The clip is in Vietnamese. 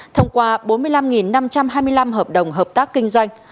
thông qua bốn mươi năm năm trăm hai mươi năm hợp đồng hợp tác kinh doanh